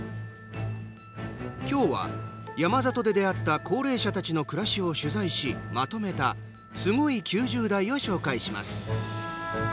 今日は山里で出会った高齢者たちの暮らしを取材し、まとめた「すごい９０代」を紹介します。